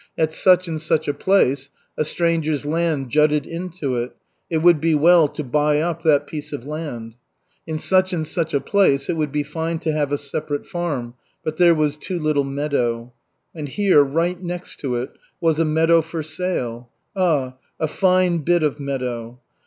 At such and such a place, a stranger's land jutted into it it would be well to buy up that piece of land. In such and such a place it would be fine to have a separate farm, but there was too little meadow. And here, right next to it, was a meadow for sale, ah, a fine bit of meadow.